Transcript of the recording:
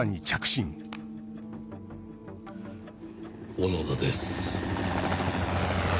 小野田です。